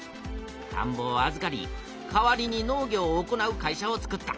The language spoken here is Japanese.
たんぼをあずかり代わりに農業を行う会社を作った。